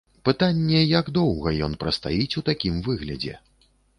Пытанне, як доўга ён прастаіць у такім выглядзе.